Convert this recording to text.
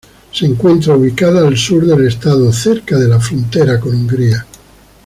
Se encuentra ubicada al sur del estado, cerca de la frontera con Hungría.